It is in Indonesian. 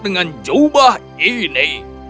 dengan jubah ini